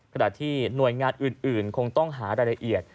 ขณะที่หน่วยงานอื่นคงต้องหารายละเอียด